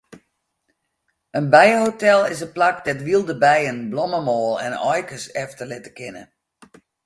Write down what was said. In bijehotel is in plak dêr't wylde bijen blommemoal en aaikes efterlitte kinne.